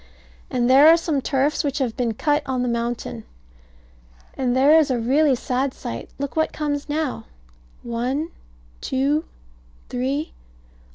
And there are some turfs which have been cut on the mountain. And there is a really sad sight. Look what comes now. One two three.